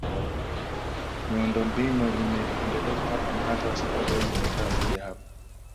Miundombinu imeendelezwa hapa na hata wasafiri wengi wanataka kuja hapa